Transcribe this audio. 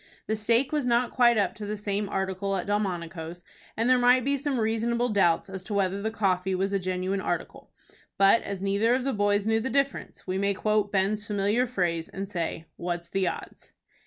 The steak was not quite up to the same article at Delmonico's, and there might be some reasonable doubts as to whether the coffee was a genuine article; but as neither of the boys knew the difference, we may quote Ben's familiar phrase, and say, "What's the odds?"